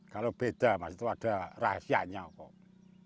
kalau beda mas itu ada rahasianya kok